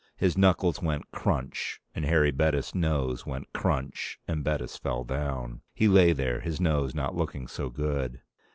His knuckles went crunch and Harry Bettis' nose went crunch and Bettis fell down. He lay there, his nose not looking so good.